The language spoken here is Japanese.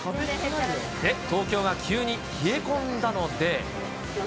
東京が急に冷え込んだので。